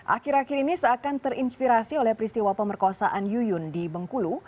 akhir akhir ini seakan terinspirasi oleh peristiwa pemerkosaan yuyun di bengkulu